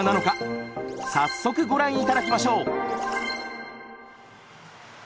早速ご覧頂きましょう！